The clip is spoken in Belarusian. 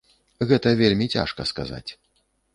Гэта вельмі цяжка сказаць.